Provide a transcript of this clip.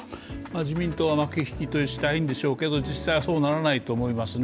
自民党は幕引きとしたいんでしょうけれども、そうはならないと思いますね。